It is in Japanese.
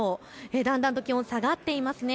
だんだんと気温、下がってますね。